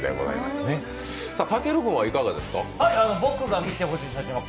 たける君はいかがですか。